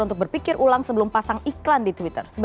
untuk berpikir ulang sebelum pasang iklan di twitter